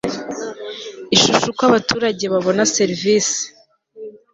ishusho uko abaturage babona serivisi